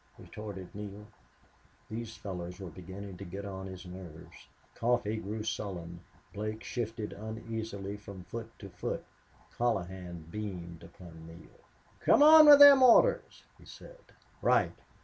retorted Neale. These fellows were beginning to get on his nerves. Coffee grew sullen, Blake shifted uneasily from foot to foot, Colohan beamed upon Neale. "Come on with them orders," he said. "Right!...